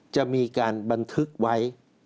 จะมีการบันทึกไว้